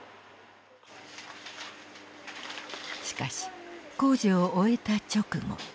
しかし工事を終えた直後。